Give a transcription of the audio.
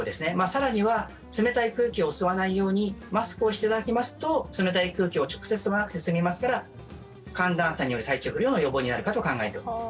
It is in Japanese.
更には冷たい空気を吸わないようにマスクをしていただきますと冷たい空気を直接吸わなくて済みますから寒暖差による体調不良の予防になるかと考えております。